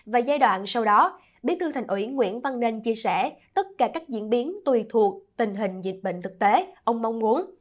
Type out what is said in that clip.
và giai đoạn sau đó bí thư thành ủy nguyễn văn nên chia sẻ tất cả các diễn biến tùy thuộc tình hình dịch bệnh thực tế ông mong muốn